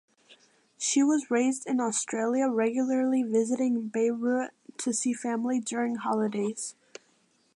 She was raised in Australia regularly visiting Beirut to see family during holidays.